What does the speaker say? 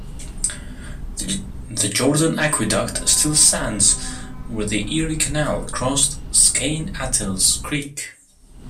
The Jordan Aqueduct still stands where the Erie Canal crossed Skaneateles Creek.